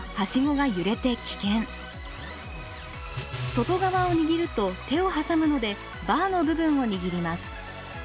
外側を握ると手を挟むのでバーの部分を握ります。